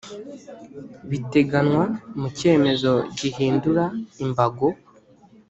biteganywa mu cyemezo gihindura imbago